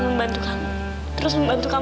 terus membantu kamu untuk menemukan orang tua kamu